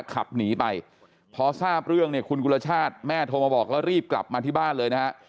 ขับหนีไปพอทราบเรื่องเนี่ยคุณกุลชาติแม่โทรมาบอกแล้วรีบกลับมาที่บ้านเลยนะฮะ